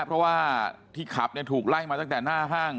เพราะว่าที่ขับถูกไล่มาตั้งแต่หน้าห้าง